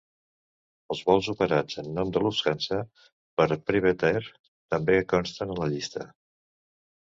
Els vols operats en nom de Lufthansa per PrivatAir també consten a la llista.